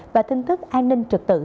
và tin tức an ninh trực tự